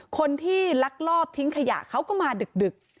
คนที่ลักลอบทิ้งขยะเขาก็มาดึก